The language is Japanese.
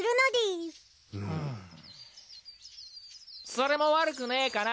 それも悪くねえかな。